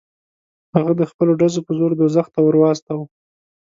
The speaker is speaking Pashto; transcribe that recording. هغه د خپلو ډزو په زور دوزخ ته ور واستاوه.